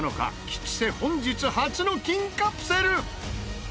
吉瀬本日初の金カプセル！